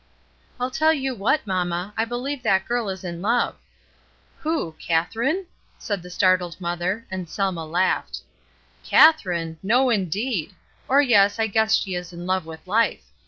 ''I'll tell you what, mamma, I believe that girl is in love." ''Who? Katherine?" said the startled mother, and Selma laughed. "'Katherine?' No, indeed! or, yes, I guess she is in love with life.